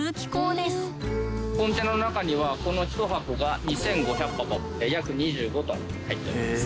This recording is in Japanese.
コンテナの中にはこの１箱が２，５００箱約２５ｔ入っております。